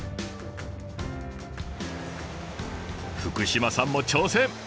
福島さんも挑戦。